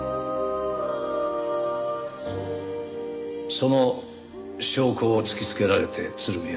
その証拠を突きつけられて鶴見は自白。